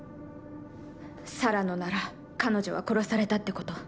サラのなら彼女は殺されたってこと。